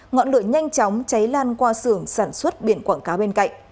ngọn lửa nhanh chóng cháy lan qua xưởng sản xuất biển quảng cáo bên cạnh